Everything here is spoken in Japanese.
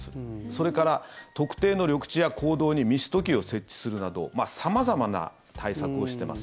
それから、特定の緑地や公道にミスト機を設置するなど様々な対策をしてます。